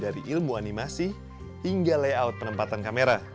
dari ilmu animasi hingga layout penempatan kamera